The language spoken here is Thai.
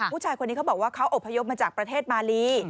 ผู้ชายคนนี้เขาบอกว่าเขาอบพยพมาจากประเทศมาลี